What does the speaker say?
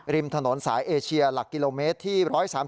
ริมถนนสายเอเชียหลักกิโลเมตรที่๑๓๒